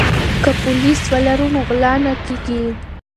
که پولیس ولرو نو غلا نه کیږي.